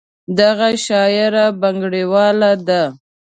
دغه شاعره بنګړیواله ده.